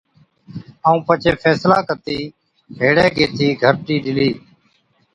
ائُون پڇي فيصلا ڪتِي هيڙَي گيهٿِي گھَرٽِي ڏِلِي۔